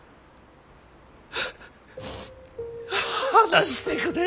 話してくれ。